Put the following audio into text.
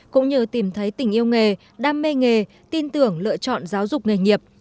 cũng như tìm thấy tình yêu nghề đam mê nghề tin tưởng lựa chọn giáo dục nghề nghiệp